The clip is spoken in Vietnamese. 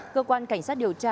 cơ quan cảnh sát điều tra